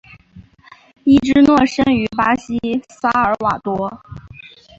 伊芝诺生于巴西萨尔瓦多。